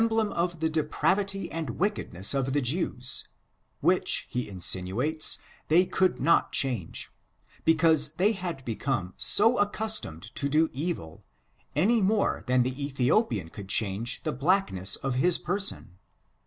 65 blem of the depravity and wickedness of the Jews, which, he insinuates, they could not change, because they had become so accu3tomed to do evil, any more than the Ethiopian could change the blackness of his person.